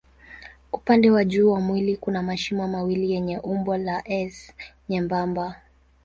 Upande wa juu wa mwili kuna mashimo mawili yenye umbo la S nyembamba.